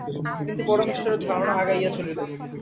কিন্তু পরমেশ্বরের ধারণা আগাইয়া চলিল।